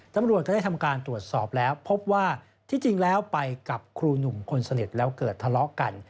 ตำรวจก็ได้ทำการตรวจสอบแล้วพบว่าที่จริงแล้วไปกับครูหนุ่มคนสนิทแล้วเกิดทะเลาะกัน